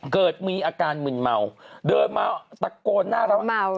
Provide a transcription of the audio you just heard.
เกิดมีอาการมึนเมาเดินมาตะโกนหน้าร้านเมา